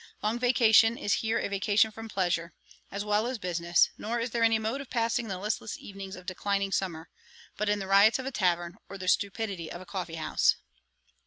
Long vacation is here a vacation from pleasure, as well as business; nor is there any mode of passing the listless evenings of declining summer, but in the riots of a tavern, or the stupidity of a coffee house.'